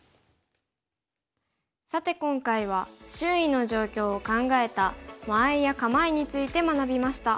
さて今回は周囲の状況を考えた間合いや構えについて学びました。